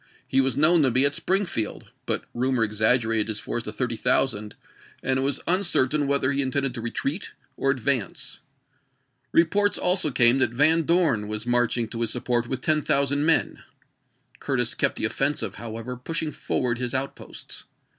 He was known to be at Springfield; but rumor exaggerated his force to thirty thousand, and it was uncertain whether he intended to retreat or advance. Re ports also came that Van Dorn was marching to his support with ten thousand men. Curtis kept the offensive, however, pushing forward his out posts.